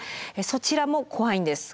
そちらも怖いんです。